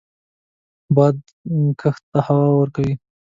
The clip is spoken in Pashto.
باد کښت ته هوا ورکوي